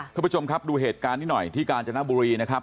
คุณผู้ชมครับดูเหตุการณ์นี้หน่อยที่กาญจนบุรีนะครับ